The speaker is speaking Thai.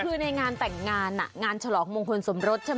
คือในงานแต่งงานงานฉลองมงคลสมรสใช่ไหม